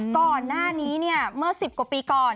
ก่อนหน้านี้เนี่ยเมื่อ๑๐กว่าปีก่อน